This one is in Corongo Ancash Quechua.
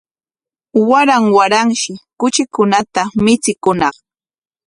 Waran waranshi kuchikunata michikuñaq